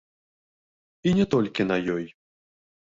І не толькі на ёй.